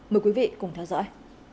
mời quý vị cùng theo dõi